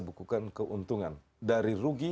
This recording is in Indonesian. bukukan keuntungan dari rugi